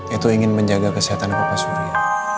itu ingin menjaga kesehatan bapak surya